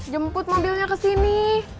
jemput mobilnya kesini